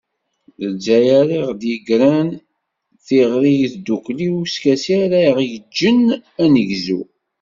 D lezzayer i ɣ-d-yegren tiɣri i tdukli d uskasi ara ɣ-yeǧǧen ad negzu.